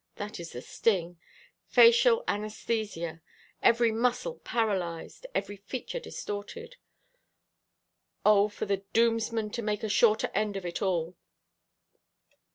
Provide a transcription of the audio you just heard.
That is the sting. Facial anæsthesia every muscle paralysed, every feature distorted. O, for the doomsman to make a shorter end of it all!